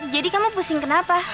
jadi kamu pusing kenapa